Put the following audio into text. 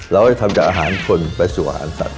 เราจะทำจากอาหารชนไปสู่อาหารสัตว